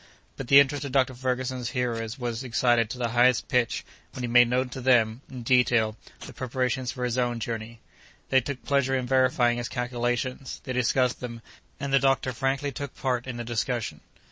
But the interest of Dr. Ferguson's hearers was excited to the highest pitch when he made known to them, in detail, the preparations for his own journey. They took pleasure in verifying his calculations; they discussed them; and the doctor frankly took part in the discussion.